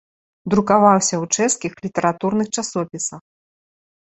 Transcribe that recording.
Друкаваўся ў чэшскіх літаратурных часопісах.